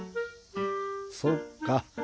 そっか。